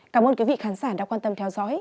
cảm ơn quý vị khán giả đã quan tâm theo dõi